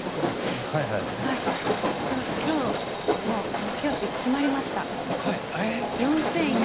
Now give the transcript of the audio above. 宮藤さん、今日の目標値決まりました。